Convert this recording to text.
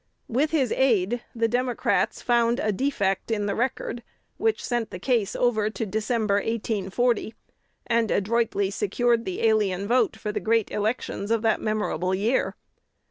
With his aid, the Democrats found a defect in the record, which sent the case over to December, 1840, and adroitly secured the alien vote for the great elections of that memorable year.